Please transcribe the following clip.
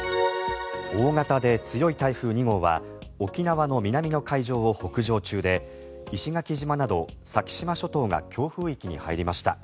大型で強い台風２号は沖縄の南の海上を北上中で石垣島など先島諸島が強風域に入りました。